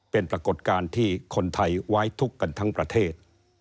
เป็นปรากฏการณ์ที่คนไทยไว้ทุกข์กันทั้งประเทศ